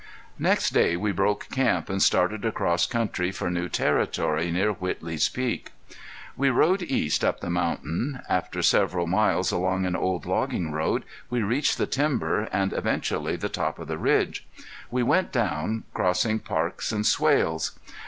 Next day we broke camp and started across country for new territory near Whitley's Peak. We rode east up the mountain. After several miles along an old logging road we reached the timber, and eventually the top of the ridge. We went down, crossing parks and swales.